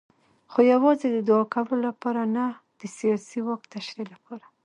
خو یوازې د دوعا کولو لپاره نه د سیاسي واک تشریح لپاره.